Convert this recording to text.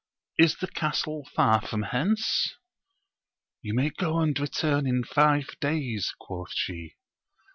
Is the castle far from hence 1 You may go and return in five days, quoth she.